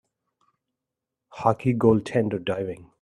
Hockey goaltender diving